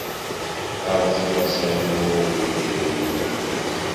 Terẓiḍ asalu i ubrid i iregglen.